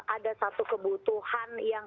ada satu kebutuhan yang